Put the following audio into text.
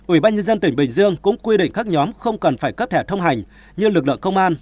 ubnd tp hcm cũng quy định các nhóm không cần phải cấp thẻ thông hành như lực lượng công an